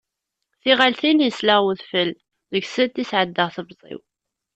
Tiɣaltin yesleɣ wedfel, deg-sent i sɛeddaɣ temẓi-w.